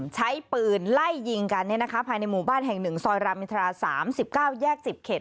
ใช้ปืนไล่ยิงกันภายในหมู่บ้านแห่ง๑ซอยรามอินทรา๓๙แยก๑๐เขต